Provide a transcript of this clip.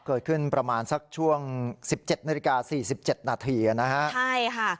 เกิดขึ้นประมาณสักช่วงสิบเจ็ดนาฬิกาสี่สิบเจ็ดนาทีนะฮะใช่ค่ะ